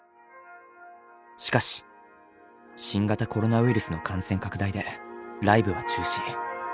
しかし新型コロナウイルスの感染拡大でライブは中止。